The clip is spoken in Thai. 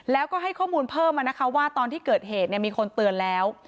แล้วก็ให้ข้อมูลเพิ่มมานะคะว่าตอนที่เกิดเหตุมีคนเตือนแล้ว